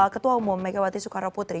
ketua umum megawati soekaroputri